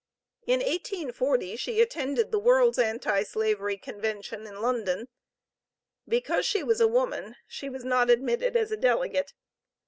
'" In 1840 she attended the World's Anti Slavery Convention in London. Because she was a woman she was not admitted as a delegate.